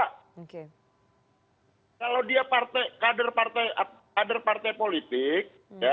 kalau dia kader partai politik